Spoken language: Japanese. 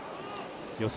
予想